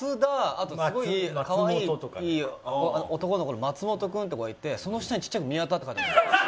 あとすごい可愛い男の子の松本君って子がいてその下にちっちゃく「宮田」って書いてあるんですよ。